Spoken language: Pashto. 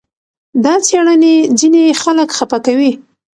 دا څېړنې ځینې خلک خپه کوي.